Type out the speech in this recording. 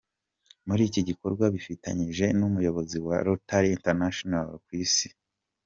Muri iki gikorwa bifatanyije n’Umuyobozi wa Rotary International ku Isi, K.